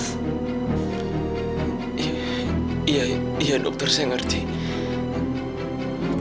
sehingga karenanya braucht bert